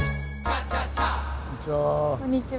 こんにちは。